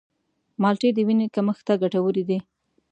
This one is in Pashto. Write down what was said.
مالټې د وینې کمښت ته ګټورې دي.